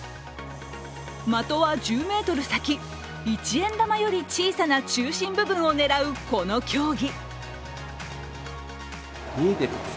的は１０ｍ先一円玉より小さな中心部分を狙うこの競技。